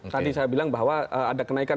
tadi saya bilang bahwa ada kenaikan